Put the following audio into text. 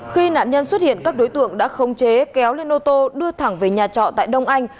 khi nạn nhân xuất hiện các đối tượng đã không chế kéo lên ô tô đưa thẳng về nhà trọ tại đông anh